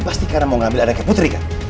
pasti karena mau ngambil anaknya putri kan